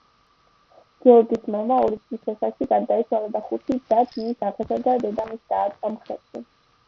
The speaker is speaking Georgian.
გიორგის მამა ორი წლის ასაკში გარდაეცვალა და ხუთი და-ძმის აღზრდა დედამისს დააწვა მხრებზე.